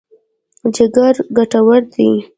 جګر ګټور دی.